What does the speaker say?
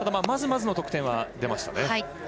まずまずの得点は出ました。